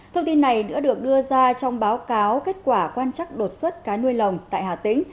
thông tin này đã được đưa ra trong báo cáo kết quả quan chắc đột xuất cá nuôi lồng tại hà tĩnh